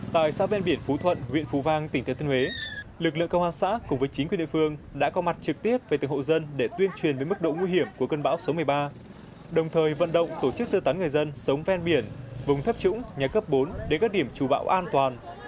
tại xã ven biển phú thuận huyện phú vang tỉnh thừa thiên huế lực lượng công an xã cùng với chính quyền địa phương đã có mặt trực tiếp về từng hộ dân để tuyên truyền về mức độ nguy hiểm của cơn bão số một mươi ba đồng thời vận động tổ chức sơ tán người dân sống ven biển vùng thấp trũng nhà cấp bốn đến các điểm chủ bão an toàn